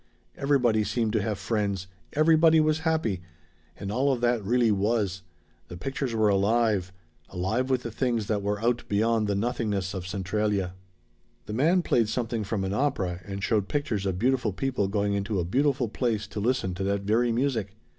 Everybody seemed to have friends. Everybody was happy! And all of that really was. The pictures were alive. Alive with the things that there were out beyond the nothingness of Centralia. "The man played something from an opera and showed pictures of beautiful people going into a beautiful place to listen to that very music.